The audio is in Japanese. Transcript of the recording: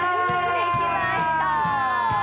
できました！